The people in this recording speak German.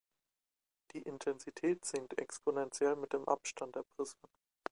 Die Intensität sinkt exponentiell mit dem Abstand der Prismen.